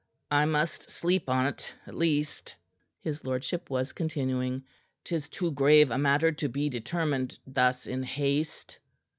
"I must sleep on't, at least," his lordship was continuing. "'Tis too grave a matter to be determined thus in haste."